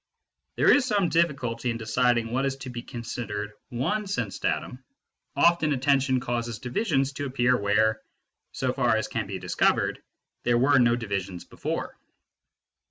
There is some difficulty in deciding what is to be considered one sense datum : often atten tion causes divisions to appear where, so far as can be discovered, there were no divisions before.